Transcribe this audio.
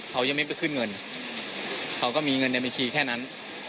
เขายังไม่ไปขึ้นเงินเขาก็มีเงินในบัญชีแค่นั้น